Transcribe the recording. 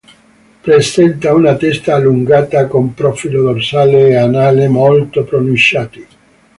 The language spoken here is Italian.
Presenta una testa allungata, con profilo dorsale e anale molto pronunciati.